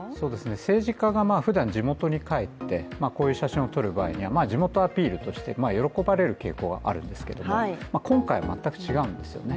政治家がふだん地元に帰ってこういう写真を撮る場合は、地元アピールとして喜ばれる傾向があるんですけれども、今回は全く違うんですよね。